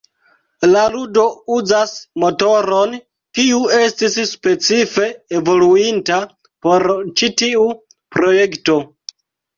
La ludo uzas motoron kiu estis specife evoluinta por ĉi tiu projekto.